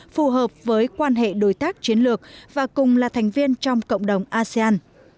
phù hợp với quan hệ đối tác chiến lược và cùng là thành viên trong cộng đồng asean